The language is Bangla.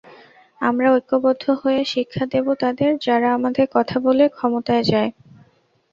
আমরা ঐক্যবদ্ধ হয়ে শিক্ষা দেব তাদের, যারা আমাদের কথা বলে ক্ষমতায় যায়।